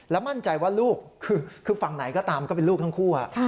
มั่นใจว่าลูกคือฝั่งไหนก็ตามก็เป็นลูกทั้งคู่